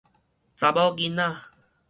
查某囡仔